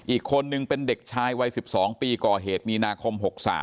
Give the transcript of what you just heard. อีกคนนึงเป็นเด็กชายวัย๑๒ปีก่อเหตุมีนาคม๖๓